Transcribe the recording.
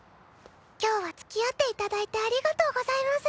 今日はつきあっていただいてありがとうございます。